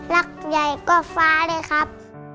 รักใหญ่กว่าฟ้าด้วยครับ